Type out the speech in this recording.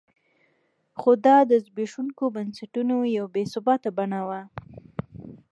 خو دا د زبېښونکو بنسټونو یوه بې ثباته بڼه وه.